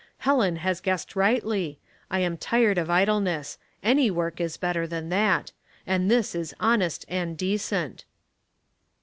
" Helen has guessed rightly. I am tired of idleness — ariT/ work is better than that ; and this is honest and decent."